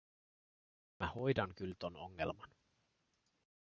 “Mä hoidan kyl ton ongelman.